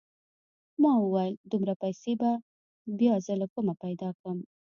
ما وويل دومره پيسې به بيا زه له کومه پيدا کم.